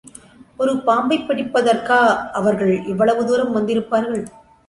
ஒரு பாம்பைப் பிடிப்பதற்கா அவர்கள் இவ்வளவு தூரம் வந்திருப்பார்கள்?